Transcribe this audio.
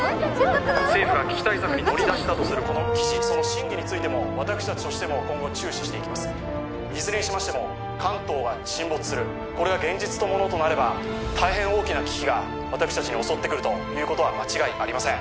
政府が危機対策に乗り出したとするこの記事その真偽についても私達としても今後注視していきますいずれにしましても関東は沈没するこれが現実のものとなれば大変大きな危機が私達に襲ってくるということは間違いありません